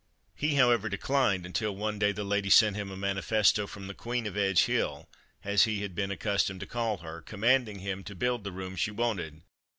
He, however, declined until one day the lady sent him a manifesto from the "Queen Of Edge hill," as he had been accustomed to call her, commanding him to build the room she wanted.